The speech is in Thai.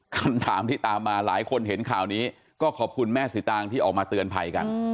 คำถามที่ตามมาหลายคนเห็นข่าวนี้ก็ขอบคุณแม่สีตางที่ออกมาเตือนภัยกัน